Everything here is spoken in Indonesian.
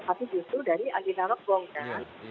tapi justru dari adina robong kan